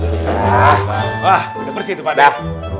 wah udah persih tuh pak dap